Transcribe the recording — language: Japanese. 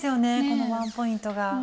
このワンポイントが。